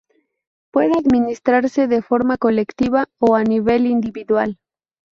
Puede administrarse de forma colectiva o a nivel individual.